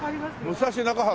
武蔵中原